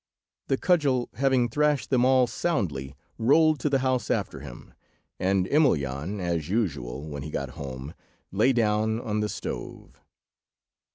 The cudgel, having thrashed them all soundly, rolled to the house after him, and Emelyan, as usual when he got home, lay down on the stove.